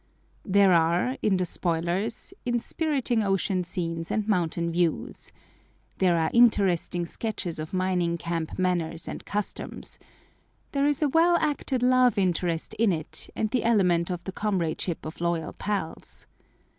There are, in The Spoilers, inspiriting ocean scenes and mountain views. There are interesting sketches of mining camp manners and customs. There is a well acted love interest in it, and the element of the comradeship of loyal pals.